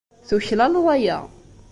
Tuklaleḍ aya.